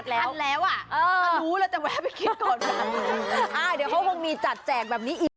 แล้วอ่ะกูจะแวะไปกินก่อนครับไอ้เดี๋ยวเขามีจัดแจกแบบนี้